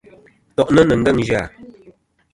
To’ni ni ngeng zya.